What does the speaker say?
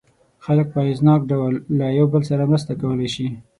خلک په اغېزناک ډول له یو بل سره مرسته کولای شي.